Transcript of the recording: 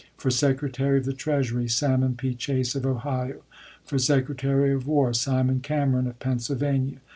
For Secretary of the Treasury, Salmon P. Chase, of Ohio. For Secretary of War, Simon Cameron, of Pennsylvania.